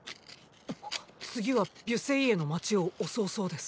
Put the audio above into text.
次はビュセイエの街を襲うそうです。